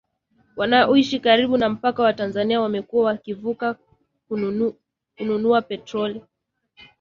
Wanaoishi karibu na mpaka wa Tanzania wamekuwa wakivuka kununua petroli